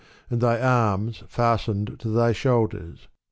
And thy arms &stened to thy shoulders.